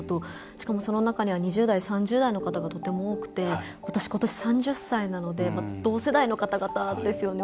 しかも、その中には２０代、３０代の方がとても多くて私、ことし３０歳なので同世代の方々ですよね。